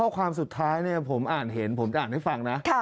ข้อความสุดท้ายเนี่ยผมอ่านเห็นผมอ่านให้ฟังนะ